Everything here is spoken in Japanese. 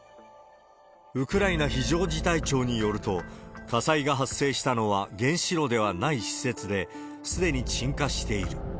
ウクライナ非常事態庁によると、火災が発生したのは原子炉ではない施設で、すでに鎮火している。